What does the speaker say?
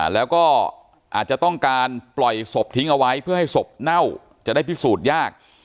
แล้วก็อาจจะต้องการปล่อยศพทิ้งเอาไว้เพื่อให้ศพเน่าจะได้พิสูจน์ยาก